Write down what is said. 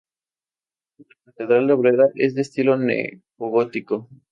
La Catedral de Oberá es de estilo neogótico.